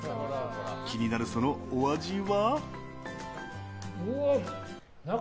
気になる、そのお味は？